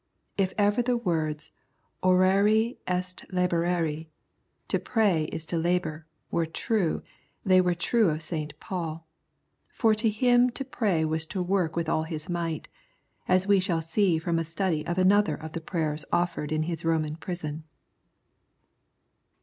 If ever the words orare est lahorare^ " to pray is to labour," were true, they were true of St. Paul, for to him to pray was to work with all his might, as we shall see from a study of another of the prayers offered in his Roman prison.